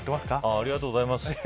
ありがとうございます。